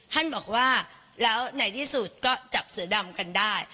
ท่านบอกว่าแล้วในที่สุดก็จับเสือดำกันได้